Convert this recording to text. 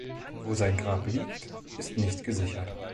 Wo sein Grab liegt, ist nicht gesichert.